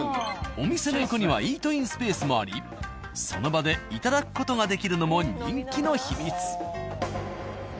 お店の横にはイートインスペースもありその場でいただく事ができるのも人気の秘密。